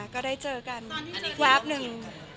ก็ได้เจอกันแวบหนึ่ง